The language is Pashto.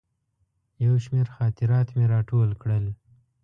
یو شمېر خاطرات مې راټول کړل.